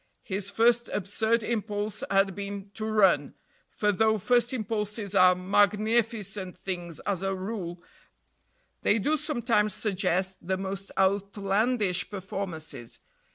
His first absurd impulse had been to run, for though first impulses are magnificent things as a rule, they do sometimes suggest the most outlandish performances.